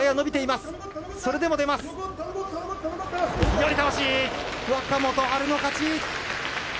寄り倒し、若元春の勝ち。